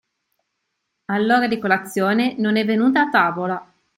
All'ora di colazione non è venuta a tavola;